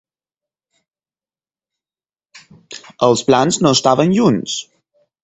Els plans no estaven junts.